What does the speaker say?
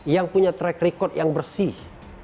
yang punya track record yang bersih